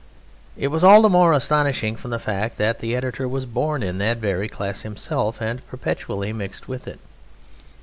It was all the more astonishing from the fact that the editor was born in that very class himself and perpetually mixed with it.